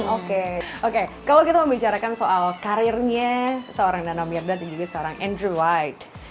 oke oke kalau kita membicarakan soal karirnya seorang nanda mirdad juga seorang andrew white